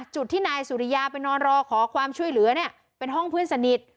จุดที่นายสุริยาไปนอนรอขอความช่วยเหลือเนี่ยเป็นห้องเพื่อนสนิท